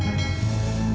ya pak adrian